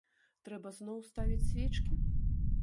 Трэба зноў ставіць свечкі?